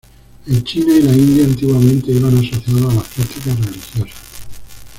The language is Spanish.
En China y la India antiguamente iban asociados a las prácticas religiosas.